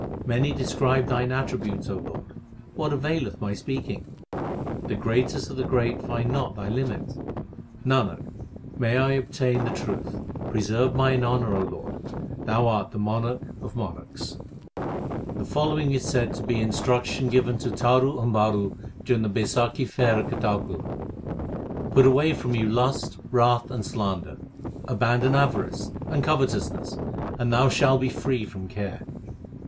Many describe Thine attributes, O Lord ; what availeth my speaking ? The greatest of the great find not Thy limit. Nanak, may I obtain the truth ! preserve mine honour, O Lord ; Thou art the Monarch of monarchs ! 1 Worldly entanglements. HYMNS OF GURU NANAK 367 The following is said to be instruction given to Taru and Bharu during the Baisakhi fair at Kar tarpur : Put away from you lust, wrath, and slander ; Abandon avarice, and covetousness, and you shall be free from care.